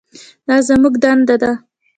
دا زموږ دنده ده.